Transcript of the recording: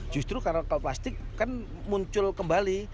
justru karena kalau plastik kan muncul kembali